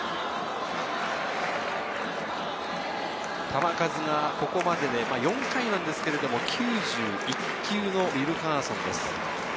球数がここまで４回なんですけれど、９１球のウィルカーソンです。